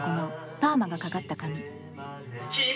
パーマがかかった髪」。